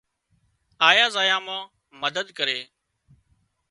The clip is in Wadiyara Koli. آيا زايا مان مدد ڪري۔